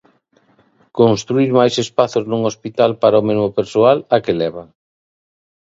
Construír máis espazos nun hospital para o mesmo persoal, ¿a que leva?